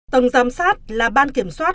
tầng giám sát là ban kiểm soát